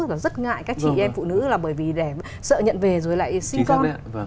là rất ngại các chị em phụ nữ là bởi vì sợ nhận về rồi lại sinh con